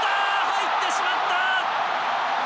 入ってしまった！